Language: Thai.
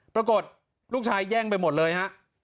ปรากฏลูกชายแย่งไปหมดเลยฮะ